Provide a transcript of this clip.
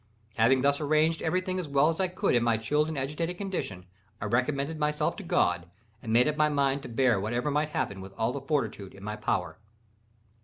Having thus arranged every thing as well as I could in my chilled and agitated condition, I recommended myself to God, and made up my mind to bear whatever might happen with all the fortitude in my power.